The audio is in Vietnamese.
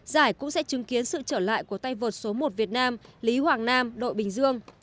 giải cũng sẽ chứng kiến sự trở lại của tay vợt số một việt nam lý hoàng nam đội bình dương